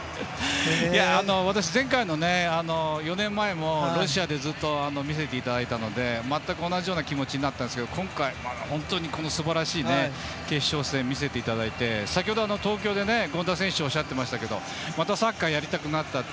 私、前回４年前もロシアで見せていただいたので全く同じような気持ちになったんですけど今回、本当にすばらしい決勝戦を見せていただいて先程、東京で権田選手がおっしゃってましたがまたサッカーをやりたくなったって。